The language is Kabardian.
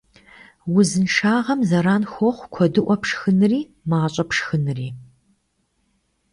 Узыншагъэм зэран хуохъу куэдыӀуэ пшхынри мащӀэ пшхынри.